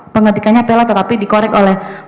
pengertikannya tela tetapi dikorek oleh pengacara anda